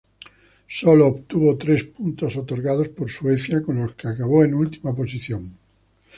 Solo obtuvo tres puntos, otorgados por Suecia, con los que acabó en última posición.